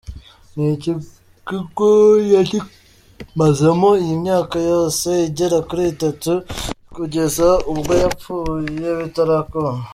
Iki kigo yakimazemo iyi myaka yose igera kuri itatu kugeza ubwo apfuye bitarakunda.